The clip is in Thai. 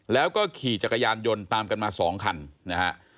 แล้วก็ขี่จักรยานยนต์ตามกันมา๒คันนะฮะ